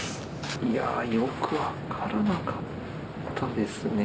いやー、よく分からなかったですね。